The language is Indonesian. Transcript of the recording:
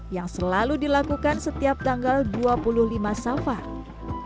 yang selalu dilakukan setiap tanggal dua puluh lima safar